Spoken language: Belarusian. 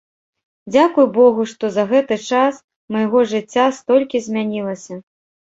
Дзякуй богу, што за гэты час майго жыцця столькі змянілася.